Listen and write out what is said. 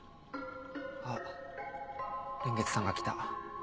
あっ蓮月さんが来た。